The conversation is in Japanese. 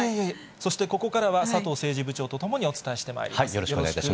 そしてここからは佐藤政治部長とともにお伝えしてまいります。